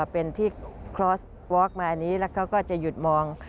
เป็นที่คลอสวอคมาอันนี้แล้วเขาก็จะหยุดมอง